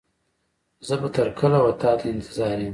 زه به تر کله و تا ته انتظار يم.